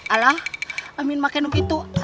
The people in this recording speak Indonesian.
alah amin makenuk itu